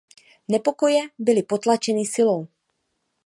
Nepokoje byly potlačeny silou.